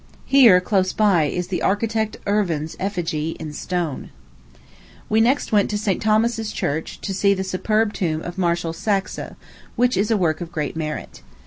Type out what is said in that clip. Here, close by, is the architect Erwin's effigy, in stone. We next went to St. Thomas's Church, to see the superb tomb of Marshal Saxe, which is a work of great merit.